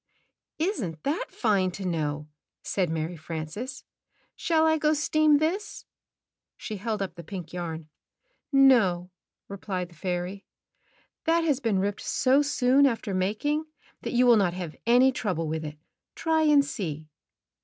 "Isn't that fine to know!" said Mary Frances. ^t€M "Shall I go steam this?" She held up the pink yarn. "No," rephed the fairy. "That has been ripped so soon after making that you will not have any trouble with it. Try, and see."